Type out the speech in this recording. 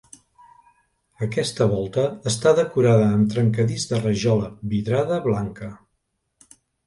Aquesta volta està decorada amb trencadís de rajola vidrada blanca.